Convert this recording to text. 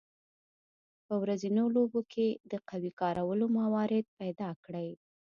په ورځنیو لوبو کې د قوې د کارولو موارد پیداکړئ.